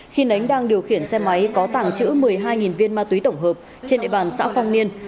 khi nánh đang điều khiển xe máy có tảng chữ một mươi hai viên ma túy tổng hợp trên địa bàn xã phong niên